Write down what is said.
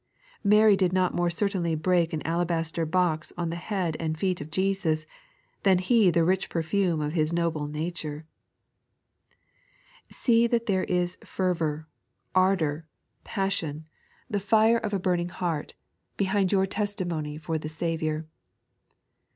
Mary did not more certainly break an alabaster box on the head and feet of Jesus, than he the rich perfume of his noble nature. See that there is fervour, ardour, passion, the fire of a 3.n.iized by Google Modern Bushels. 43 burning heart, behind your testimony for the Saviour.